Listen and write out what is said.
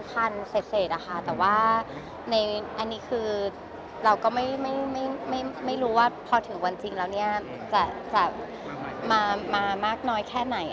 แต่ว่าเราก็ไม่รู้ว่าพอถึงวันจริงแล้วจะมามากน้อยแค่ไหน